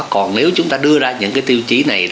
còn nếu chúng ta đưa ra những cái tiêu chí này